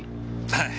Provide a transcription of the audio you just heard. はい。